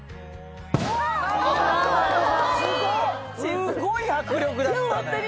すごい迫力だったね。